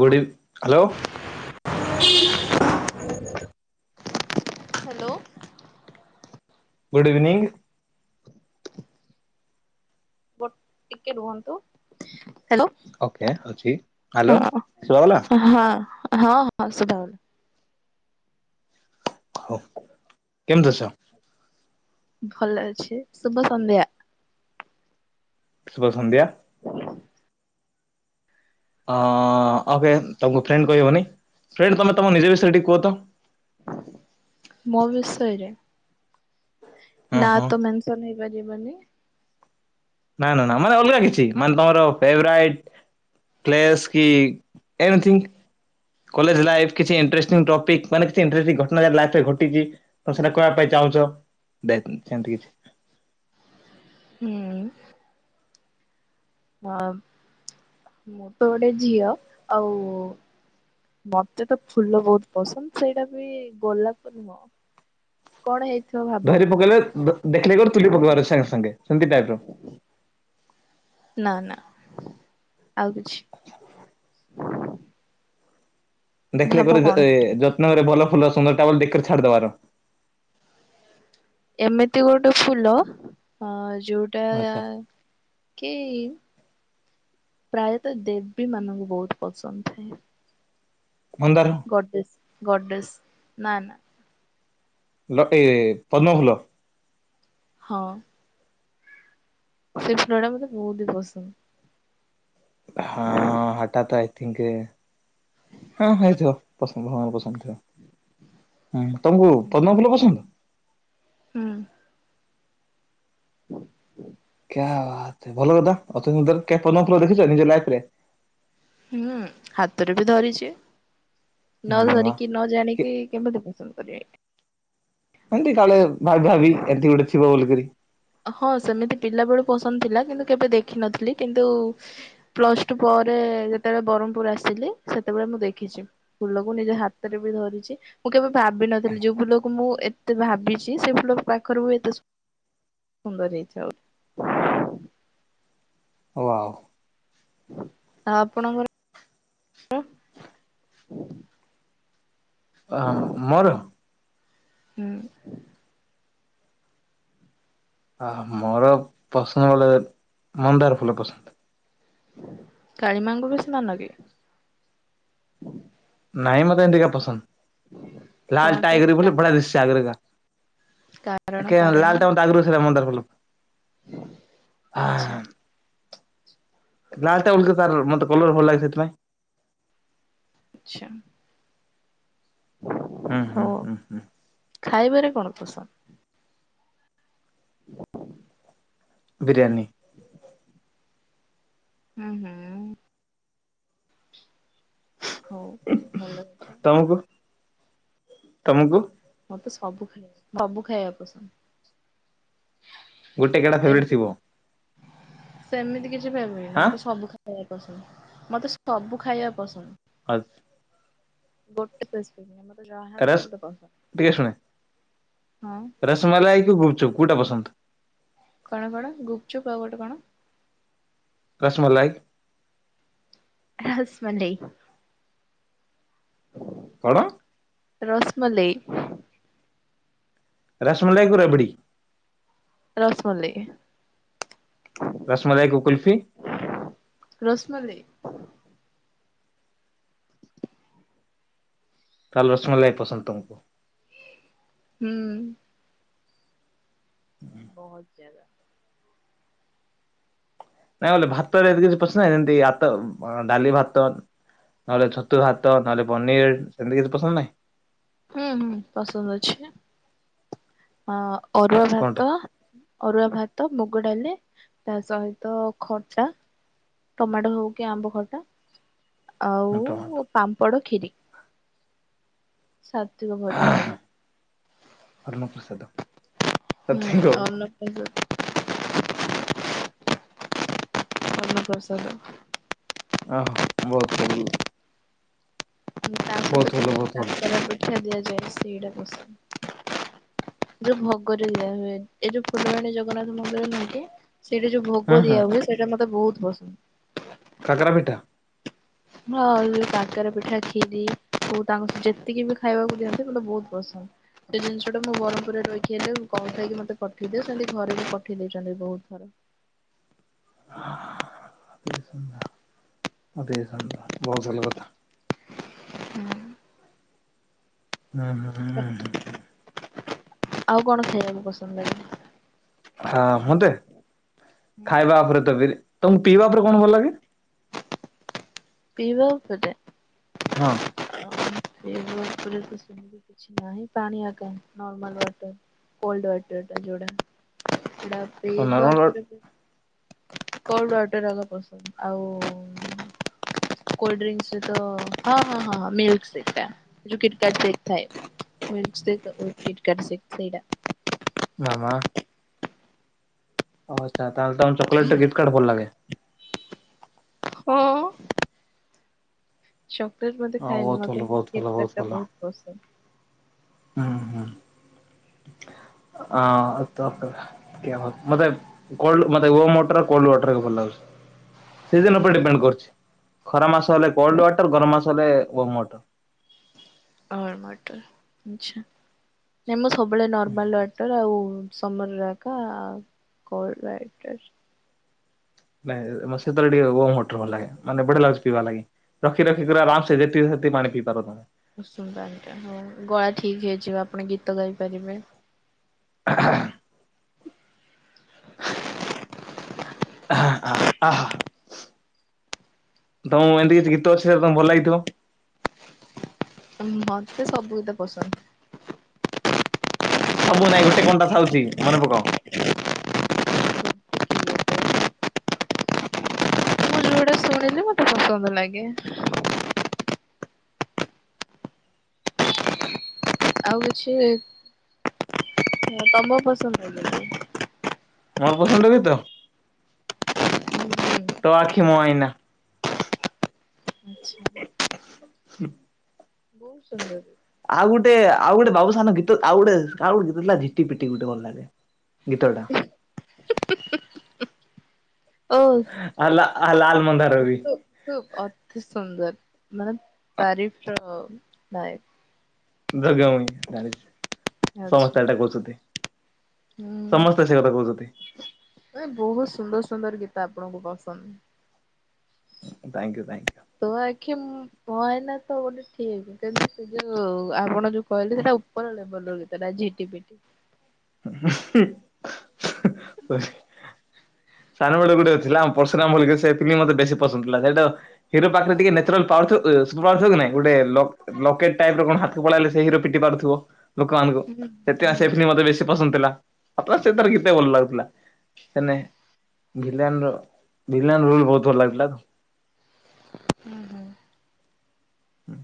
ଗୁଡ଼ଇଭ୍ hello. କି। Hello good evening. But ଟିକେ ରୁହନ୍ତୁ, ହ୍ୟାଲୋ। ଓକେ ଅଛି ହ୍ୟାଲୋ ହଁ, ଶୁଭାଗଲା ହଁ, ହଁ, ହଁ ଶୁବା ହଉଲା। ହଉ, କେମିତି ଅଛ? ଭଲ ଅଛି ଶୁଭ ସନ୍ଧ୍ୟା। ଶୁଭ ସନ୍ଦ୍ୟା। ହଁ। ଅଁ, ଅ, ଫେନ୍ ତୋମ ଫ୍ରେଣ୍ଡ କହି ହବନି। ଫ୍ରେଣ୍ଡ ତୋମେ ତମ ନିଜେ ବିଷୟରେ ଟିକେ କୁହ ତ। ମୋ ବିଷୟରେ? ହଁ ନାଁ ହଁ ତ ମେନସନ୍ ହେଇପାରିବନି। ନା ନା ମାନେ ଅଲଗା କିଛି ମାନେ ତୋମର ଫେବରାଇଟ୍। ପ୍ଲେସ୍ କି ଏନିଥିଙ୍ଗ କଲେଜ୍ ଲାଇଫ୍ କିଛି ଇଣ୍ଟରେଷ୍ଟିଙ୍ଗ ଟପିକ୍ ମାନେ କି କି ଇଣ୍ଟରେଷ୍ଟିଙ୍ଗ ଘଟଣା ଯା ଲାଷ୍ଟେ ରେ ଘଟିଚି ତ ସେଟା କହିବାପାଇଁ ଚାହୁଁଚ। ବେକ୍ ସେମିତି କିଛି। ହୁଁ। ହଁ ମୁଁ ତ ଗୋଟେ ଝିଅ ଆଉ ମୋତେ ତ ଫୁଲ ବହୁତ ପସନ୍ଦ। ସେଇଟା ବି ଗୋଲାପ ନୁହଁ। କଣ ହେଇଥିବ ଭା ଧରି ପକେଇଲେ। ଦେ- ଦେଖିଲେ ଗର ତୁଲି ପକେଇବାର ସାଙ୍ଗେ ସାଙ୍ଗେ ସେମିତି ଟାଇପ୍ ର। ନା, ନା ଆଉ କିଛି। [inaudible] ଦେଖିଲେ ଭାବ କୋଉଠି କଣ ଯେ ଏ ହେଇଥିବ ଯତ୍ନ କରି ଭଲ ଫୁଲ ସୁନ୍ଦରଟା ବୋଲି ଦେଖ କରି ଛାଡିଦେବାର। ଏମିତି ଗୋଟେ ଫୁଲ ଅ, ଯୋଉଟା ଆଚ୍ଛା କି ପ୍ରାୟତଃ ଦେବୀ ମାନଙ୍କୁ ବହୁତ ପସନ୍ଦ ଥାଏ। ମନ୍ଦାର। ଗଡେସ ଗଡେସ ନା ନା। ଲକେ ପଦ୍ମଫୁଲ। ହଁ। ସେ ଫୁଲ ଟା ମତେ ବହୁତି ପସନ୍ଦ। ହଁ ହଠାତ [unintelligible] ହଁ ହେଇଥିବ ପସନ୍ଦ ଭଗବାନ ପସନ୍ଦ। ହଁ ତମକୁ ପଦ୍ମ ଫୁଲ ପସନ୍ଦ? ହୁଁ। [inaudible] [unintelligible] ଭଲ କଥା ଅତି ସୁନ୍ଦର କେବେ ପଦ୍ମ ଫୁଲ ଦେଖିଚ ନିଜ ଲାଇଫ ରେ। ହୁଁ ହାତରେ ବି ଧରିଛି ମା ନ ମା ମା ଧରିକି ନ କି ଜାଣିକି କେମିତି ପସନ୍ଦ କଲି। ଏମତି କାଳେ ଭାବି ଭାବି ଏମିତି ଗୋଟେ ଥିବ ବୋଲି କରି। ହଁ ସେମିତି ପିଲା ବେଳୁ ପସନ୍ଦ ଥିଲା କିନ୍ତୁ କେବେ ଦେଖିନଥିଲି କିନ୍ତୁ। ପ୍ଲସ ଟୁ ପରେ ଯେତେବେଳେ ବ୍ରହ୍ମପୁର ଆସିଲି ସେତେବେଳେ ମୁଁ ଦେଖିଛି। ଫୁଲକୁ ନିଜ ହାତରେ ବି ଧରିଛି। ମୁଁ କେବେ ଭାବିିନଥିଲି ଯୋଉ ଫୁଲକୁ ମୁଁ ଏତେ ଭାବିଛି ସେ ଫୁଲ ପାଖରୁ ମୁ ଏତେ ଶୁ ସୁନ୍ଦର ହେଇଥିବ ବୋଲି। ୱାଓ। ଆଉ ଆପଣଙ୍କର। [inaudible] ଆ ମୋର। ହୁଁ। ଅ ହ ମୋର ପସନ୍ଦ ବୋଲେ ମନ୍ଦାର ଫୁଲ ପସନ୍ଦ। କାଳିମାଙ୍କୁ ବେଶୀ ମାନ କି? ନାଇଁ ମତେ ଏମନ୍ତିକା ପସନ୍ଦ କଣ ଲାଲ ଟାଇଗର ବୋଲି ପାଇଁ? ବଡ଼ିଆ ଦିଶୁଚି ଆଗରୁ କା କାରଣ ଏକେ କାରଣ ଲାଲ ଟା ଆଗରୁ ସେଟା ମନ୍ଦାର ଫଲ ଆଚ୍ଛା ଆହା। ଲାଲ୍ ଟା ବୋଲି ତ ତାର ମତେ କଲର୍ ଲାଗେ ସେଥିପାଇଁ। ଆଚ୍ଛା। ଉଁ ହୁଁ ହଉ ହୁଁ ହୁଁ ହୁଁ। ଖାଇବାରେ କଣ ପସନ୍ଦ? [inaudible] ବିରିୟାନୀ। [inaudible] ହୁଁ ହୁଁ। ହଉ ଭଲ କଥା। ତମୁକୁ। ତମୁକୁ। ମତେ ସବୁ ଖାଇବା ସବୁ ଖାଇବା ପସନ୍ଦ। ଗୋଟେ କେଡା ଫେବେରେଟ ଏମତି ଥିବ। ସେମିତି କିଛି ଫେଭରେଟ୍ ନୁଅ ହଁ ମତେ ସବୁ ଖା ଖାଇବା ପସନ୍ଦ୍ ମତେ ସବୁ ଖାଇବା ପସନ୍ଦ। ଆ ଗୋଟେ ସ୍ପେଶିଫିକ ନୁହେଁ ମତେ ଯାହା ରସ ଦେଲେ ମତେ ପସନ୍ଦ ଟିକେ ଶୁଣେ ହଁ। ରସମଲାଇ କି ଗୁପଚୁପ କଉଟା ପସନ୍ଦ? କଣ କଣ ଗୁପଚୁପ୍ ଆଉ ଗୋଟେ କଣ? କସ ମଲାଇ। ହ ରସମଲେଇ। କଣ? ରସ୍ମମଲେଇ। ରସମଲେଇକୁ ରାବିଡି। ରସମଲେଇ। ରସମଲେଇକୁକୁଲୁଫି। ରସମଲେଇ। ତାହେଲେ ରସମଲେଇପସନ୍ଦ ତମକୁ। ହୁଁ। ବହୁତ ଜାଗା। ନାଇଁ ବଲେ ଭାତ ଯେମିତି ପସନ୍ଦ ସେମିତି ଆତ ଡାଲି ଭାତ। ନହେଲେ ଛତୁ ଭାତ ନହେଲେ ପନିର ସେମିତି କିଛି ପସନ୍ଦ ନାହିଁ। ହୁଁ ହୁଁ ପସନ୍ଦ ଅଛି ନା ଅଅରୁଆ କଣଟା ଭାତ। ଅରୁଆ ଭାତ ମୁଗ ଡାଲି ତା ସହିତ ଖଟା। ଟମାଟୋ ହଉ କି ଆମ୍ବ ଖଟା ଆଉ ଟମାଟୋ ପାମ୍ପଡ ଖିରି। ସାତିକ ଭୋଜନ ହରଣ ଯୋଉ ପ୍ରସାଦ ହୁଁ ସତ ଅନ୍ନ। କହୁ [unintelligible] ଅନ୍ନପ୍ରସାଦ। ଓୋ ମୋର ଥବୁଲୁ। ବହୁତ ଭଲ ବହୁତ ଭଲ। ଦଆ ଜାଏଶ୍ରୀରାପସରା। [unintelligible] ଯୋଉ ଭଗରେ ଦିଆ ହୁଏ ଏଇ ଯୋଉ ପୁଲବାଣୀ ଜଗନ୍ନାଥ ମନ୍ଦିରରେ ନାଗେ। ସେଇଟା ଯୋଉ ହଁ ଭୋଗ ହଁ ଦିଆ ହୁଏ ସେଇଟା ମତେ ବହୁତ ପସନ୍ଦ। କାକରା ପିଠା। ହ କାକରାପିଠା କ୍ଷୀରି ତାଙ୍କ ଯେତିକି ବି ଖାଇବାକୁ ଦିଅନ୍ତି ମତେ ବହୁତ ପସନ୍ଦ। ସେ ଜିନିଷ ଟା ମୁ ବରର୍ମ ପୁରୁ ରେ ରହିଛି ଆଇ କଲଥାଇକି ମତେ ପଠେଇଦିଅ ସେମିତି ଘରେ ବି ପଠେଇ ଦେଇଛନ୍ତି ବହୁତ ଥର। ଷ୍ଟେସନବହୁତ ଭଲ କଥା। [unintelligible] ହୁଁ ହୁଁ ହୁଁ ହଁଁ। ଆଉ କଣ ଖାଇବାକୁ ପସନ୍ଦଲାଗେ? ହଁ ହୁଁ। ମୁନ୍ଦେଖାଇବା ଉପରେ ତ ବି ତମକୁ ପିଇବା ଉପରେ କଣ ଭଲ ଲାଗେ? ପିଇବାକୁ କେତେ ହଁ। [unintelligible] ପିଇବା ଉପରେ ତ ସେମିତି କିଛି ନାହିଁ ପାଣି ଆକାର ନର୍ମଲୱଟର କୋଲୱଟର ଟା ଯୋଟା। [unintelligible] ଲ ତ ପିଇବା ନର୍ମାଲ ଉପରେ ବିକେଲ୍ଡ ୱଟର ଆଗ ପସନ୍ଦ ଆଉ। କୋଲଡ୍ରିଂକ୍ ତ ହଁ ହଁ ହଁ ମିିଲ୍କ୍ ସେଟା। ଯେଉଁ କିଟି କଟେଥାଏ ମିସି ଥାଏ କିଟିକାଟେ ସେଇଟା। ମାମା। ଓ ଆଚ୍ଛା। ତାହେଲେ ତମେ ଚକଲେଟ କିଟିକାଟେ ଭଲ ଲାଗେ। [unintelligible] ହୁ ଉ ଚକଲେଟ ହଁ ମତେଖାଏନି ବହୁତ ଭଲ ମତେ ବହୁତ ଭଲ କିଟକାଟା ଟା ଭଲ ବହୁତ ପସନ୍ଦ। ହୁଁ ହୁଁ ଆଉ ତାପରେ। ମେତେକୋଲମୋଟର କୋଲଡୱଟର ଭଲ ଲାଗୁଛି। ସିଜିନ ଉପରେ ଡିପେଣ୍ଡ କରୁଛି ଖରା ମାସ ହେଲେ କୋଲ୍ଡ ୱାଟର ଗରମ ମାସ ହେଲେ ଓମ୍ ୱାଟର। ୱଡମଟରଆଛା ନାଇ ମୁଁ ସବୁବେଳେ ନର୍ମାଲୱଟର। ଟଲ ଆଉ ସମର ରାଗା ଆ -କେଲ୍ଡ ୱଟର। ନାଇଁ ମ ସେତେଳେ ଟିକେ ଓଲ୍ଡମଟର ଭଲ ଲାଗୋ ମାନେ ବଢିଆ ଲାଗୁଛିପିଇବା ଲାଗେ। ରଖି ରଖି ଦୁରା ଲାଠଯେତିି ସେତିି ପାଣି ପିଇ ପାରତମେ। ଉଁସୁମୁ ପାଣିଟା ହ ଗଳା ଠିକ ହେଇଯିବ ଆପଣ ଗୀତ ଗାଇ ପାରିବେ। [unintelligible] ହଁ! ଆହା ଆହା ଆହା। ତମକୁ ଏମତି କିଛି ଗୀତ ଅଛି ଯାହା ତମକୁ ଭଲ ଲାଗିଥିବ? ମତେ ସବୁ ଗୀତ ପସନ୍ଦ। ସବୁ ନାଇଁ ଗୋଟେ କଣଟା ଥାଉଚି ମନେ ପକାଅ। ମୁଁ ଯୋଉଟା ଶୁଣିଲି ମତେ ପସନ୍ଦ ଲାଗେ। ଆଉ କିଛି ତମ ପସନ୍ଦ [inaudible] ମୋ ପସନ୍ଦ ଗୀତ? [inaudible] ତୋ ଆଖି ମୋ ଆଇନା। ଆଚ୍ଛା। ହୁଁ। ବୋହୁତ ସୁନ୍ଦର ଆଉ ଗୋଟେ ଆଉ ଗୋଟେ ବାବୁସାନ ଗୀତ ଆଉ ଗୋଟେ ଆଉ ଗୋଟ ଗୀତ ଥିଲା ଝିଟିପିଟି ଗୋଟେ ଭଲଲାଗେ। ଗୀତଟା। ଓ ଆଉ ଲା ଆ ଲାଲ ମନ୍ଦାର ବି। ତୁ ଅତି ସୁନ୍ଦର ମାନେ ତାରିଫର ନାଇ। ଝଗା ମୁଁଇ ଜାଣିଚି ଅଛି ସମସ୍ତେ ଏଟା କୋହୁଛନ୍ତି। ହୁଁ ସମସ୍ତେ ସେ କଥା କୋହୁଚନ୍ତି। ମାନେ ବୋହୁତ ସୁନ୍ଦର ସୁନ୍ଦର ଗୀତ ଆପଣଙ୍କୁ ପସନ୍ଦ। ଉଁ ଥାଙ୍କ୍ ୟୁ ଥାଙ୍କ୍ ୟୁ। ତୋ ଆଖି ଉମ୍ ମୋ ଆଇନା ତ ଗୋଟେ ଠିକ କିନ୍ତୁ ସେ ଯୋଉ ଆପଣ ଯୋଉ କହିଲେ ସେଟା ଓପର ଲେବଲର ଗୀତଟା ଝିଟିପିଟି। [inaudible] ସାନବେଳେ ଗୋଟେ ଥିଲା ପର୍ଶୁରାମ ବୋଲିକି ସେ ଫିଲମ୍ ମତେ ବେଶୀ ପସନ୍ଦ ଥିଲା ସେଇଟା ହିରୋ ପାଖରେ ଟିକେ ନେଚୁରାଲ ପାୱାର ଥିବ ଏ ସୁପର ପାୱାର ଥିବ କି ନାଇଁ ଗୋଟେ ଲକ୍ ଲକେଟ ଟାଇପର କଣ ହାତକୁ ପଳେଇଲେ ସେ ହିରୋ ପିଟି ପାରୁଥୁବ ଲୋକମାନଙ୍କୁ ହୁଁ ସେଥିପାଇଁ ସେ ହୁଁ ଫିଲିମ୍ ମତେ ବେଶୀ ପସନ୍ଦ ଥିଲା ଆଉ ପ୍ଲସ ସେ ତାର ଗୀତ ଭଲ ଲାଗୁଥୁଲା ହେନେ ଭିଲିଆନର ଭିଲିଆନ ରୋଲ ବୋହୁତ ଭଲ ଲାଗୁଥୁଲା। ଉଁହୁଁ। ହୁଁ।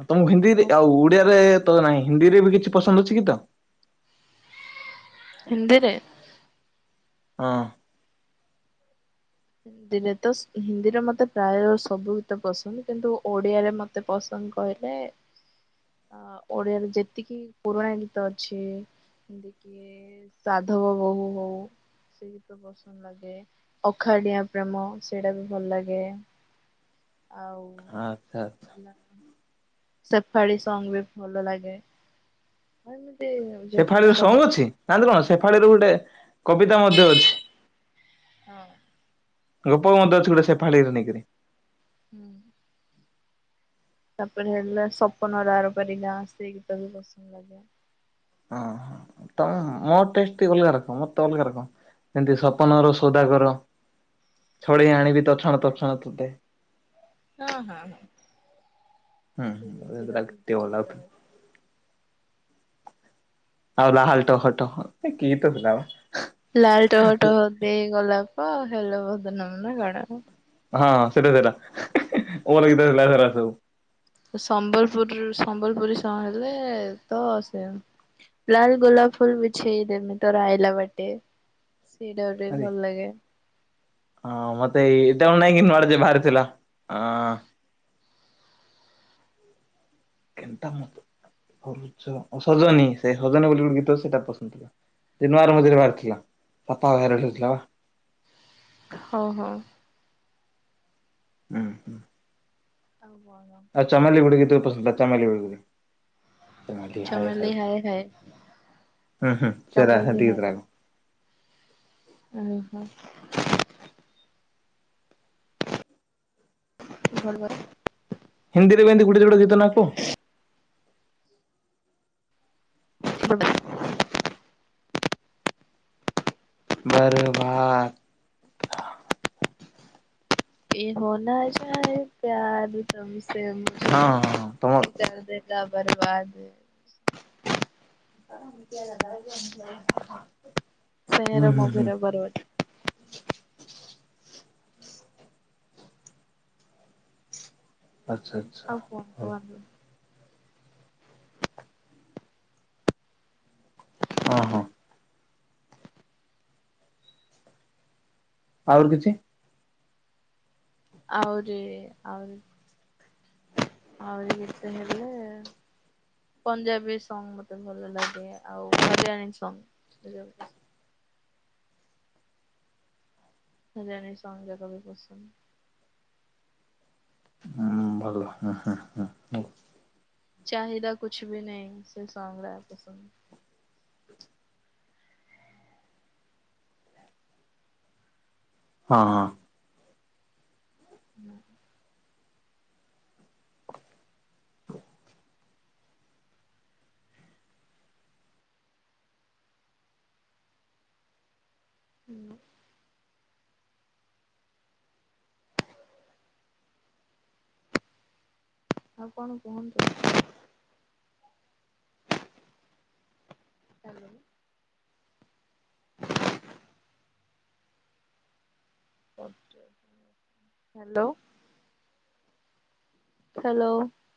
ଆଉ ତମକୁ ହିନ୍ଦୀରେ ଆଉ ଓଡିଆରେ ତ ନାହିଁ ହିନ୍ଦୀରେ ବି କିଛି ପସନ୍ଦ ଅଛି ଗୀତ? ହିନ୍ଦିରେ? ହଁ। ହିନ୍ଦୀରେ ତ ସ ହିନ୍ଦୀରେ ମତେ ପ୍ରାୟ ସବୁ ଗୀତ ପସନ୍ଦ କିନ୍ତୁ ଓଡ଼ିଆରେ ମ ତେ ପସନ୍ଦ କହିଲେ [inaudible] ଆ ଓଡିଆରେ ଯେତିକି ପୁରୁଣା ଗୀତ ଅଛି ଏମତିକି ଇଏ ସାଧବ ବୋହୁୂ ହୋଉ ସେଇ ଗୀତ ପସନ୍ଦ ଲାଗେ। ଅଖାଡିଆ ପ୍ରେମ ସେଇଟା ବି ଭଲ ଲାଗେ। ଆଉ ଆଚ୍ଛା ଆଚ୍ଛା ହେଲା ସେଫାଳି ସଙ୍ଗ୍ ବି ଭଲ ଲାଗେ ଆଉ ଏମିତି ସେଫାଳିର ଯେତିକି ସଙ୍ଗ ସବୁ ଅଛି ନାହାନେ କଣ ସେଫାଳିର ଗୋଟେ କବିତା ମଧ୍ୟ ଅଛି। ହଁ। ଲୋପାମୁଦ୍ରା ଅଛି ଗୋଟେ ସେଫାଳି ଗୀତ ନେଇକରି। ହୁଁଉଁ। ତାପରେ ହେଲା ସପନର ଆରପାରି ଗାଁ ସେଇ ଗୀତ ବି ପସନ୍ଦ ଲାଗେ। ଅଁହଁ ତମେ ମୋ ଟେଷ୍ଟି ଟିକେ ଅଲଗା ରଖ ମତେ ଅଲଗା ରଖ। ସେମତି ସପନର ସୌଦାଗର, ଛଡେଇ ଆଣିବି ତୋଛଣା ତୋଛଣା ତତେ। ଅଁ ହଁ ହଁ। ହୁଁ ସେ ହୁଁ ଏ ଜିନିଷଟା ଗୀତଟା ତ ଆକୁ କେତେ ମତେ ଭଲ ଲାଗୁଥିଲି। ଲାଗେ। ଆଉ ଲାଲ ଟହ ଟହ ଏ କି ଗୀତ ଥିଲାମ? ଲାଲ ଟହ ଟହ ଦେଇ ଗୋଲାପ ହାଲୋ ଭଦନାମ ନା କଣ ହଁଁ ସେଇଟା ଥିଲା [unintelligible] କଣ ଗୀତ ଥିଲା ସେରା ସବୁ ସମ୍ବଲପୁରରୁ ସମ୍ବଲପୁରୀ ସହ ହେଲେ ତ ସେ ଲାଲ ଗୋଲାପ ଫୁଲ ବିଛେଇ ଦେମି ତୋର ଆଇଲା ବାଟେ ସେଇଟା ଗୋଟେ ଆରେ ଭଲ ଲାଗେ। ହଁ ମତେ ଏଇ [unintelligible] ବାହାରି ଥିଲା ଅଁ। କେନ୍ତା ମୁତ? ସଜନୀ ସେ ସଜନୀ ବୋଲି ଗୋଟେ ଗୀତ ସେଇଟା ପସନ୍ଦ ଥିଲା ସେ ନୂଆର ମଝିରେ ବାହାରିଥିଲା। ପାପା [unintelligible] ହେଇଥିଲା ପା ହଁ ହଁ। ହୁଁ। ଆଉ କଣ? ଚାମଲି ଗୁଟେ ଗୀତ ପସନ୍ଦ ଥିଲା ଚେମେଲୀ ବୋଲି ଗୋଟେ ଚେମେଲୀ ହାଏ ହଏ ଚମଲି ହାଏ ହଁ ହୁଁ ସେରା ଚମଲି ସେମେତି ଗୀତ ଟା ହୁଁ ଓହୋ। [unintelligible] ହିନ୍ଦୀରେ ବିି ଏମିତି ଗୁଟେ ଯୁଡେ ଗୀତ ନା କୁହ? [unintelligible] ବରର୍ବାଦ ଏ ହନା ଚାଏ ପ୍ୟାର ତୁମସେ ହଁ ହଁ ହଁ ତମର ଲା ବରର୍ବାଦ [unintelligible] ହୁଁ ସେୟାଁର ହୁଁ ହୁଁ ମୁଭୀର [unintelligible] ଆଚ୍ଛା। ଆଚ୍ଛା। ଆଉ କଣ କୁହନ୍ତୁ? ହଁ ହଁ। ଆହୁରି କିଛି ଆଉରିି ଆଉରି ଆଉରି ଗୀତ ହେଲେ ପଞ୍ଜାବୀ ସଙ୍ଗ ମତେ ଭଲ ଲାଗେ ଆଉ ହରିୟାଣୀ ସଙ୍ଗ ହରିୟାଣୀ ସଙ୍ଗ ଜାକ ବି ପସନ୍ଦ। ହୁଁ ଭଲ ହଁ ହଁ ହଁଉଁ ଚାହିଦା କୁଛବି ନେହିଁ ସେ ସଙ୍ଗରା ପସନ୍ଦ। ହଁ ହଁ। ହୁଁ। ହାଲୋ। ଆଉ କଣ କୁହନ୍ତୁ? ହାଲୋ। [unintelligible] [unintelligible] Hello hello.